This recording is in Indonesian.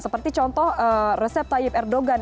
seperti contoh resep tayyip erdogan